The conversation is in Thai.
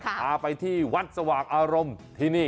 พาไปที่วัดสว่างอารมณ์ที่นี่